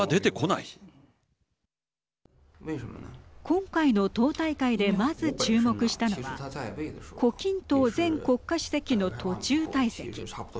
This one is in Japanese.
今回の党大会でまず注目したのは胡錦涛前国家主席の途中退席。